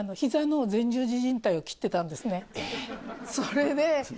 それで。